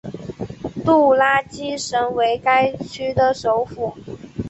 杜拉基什为该区的首府。